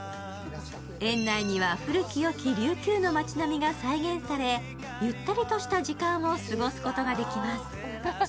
園内には古き良き琉球の街並みが再現されゆったりとした時間を過ごすことができます。